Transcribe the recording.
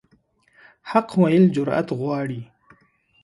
حق ویل جرأت غواړي.